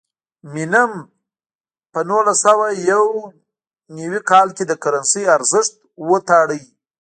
مینم په نولس سوه یو نوي کال کې د کرنسۍ ارزښت وتاړه.